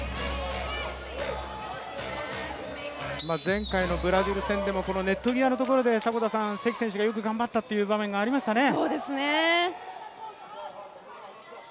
前回のブラジル戦でもネット際のところで関選手がよく頑張ったっていう場面がありましたね。